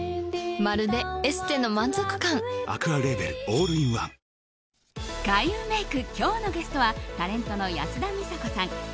オールインワン開運メイク、今日のゲストはタレントの安田美沙子さん